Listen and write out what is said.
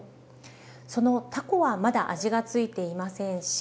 そのタコはまだ味が付いていませんし。